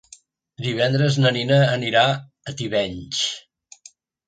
Divendres na Nina anirà a Tivenys.